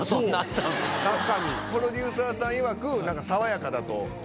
プロデューサーさんいわくなんか爽やかだということで。